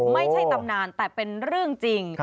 ไม่ใช่ตำนานแต่เป็นเรื่องจริง